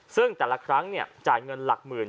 ซึ่งแต่ละครั้งจ่ายเงินหลักหมื่น